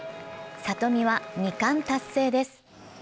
里見は２冠達成です。